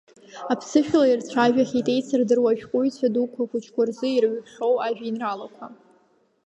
Аԥсышәала ирцәажәахьеит еицырдыруа ашәҟәыҩҩцәа дуқәа ахәыҷқәа рзы ирҩхьоу ажәеинраалақәа.